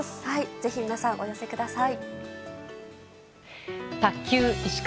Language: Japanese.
ぜひ皆さんお寄せください。